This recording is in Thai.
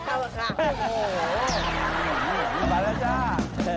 เหนื่อยรับประทูแล้วจ้า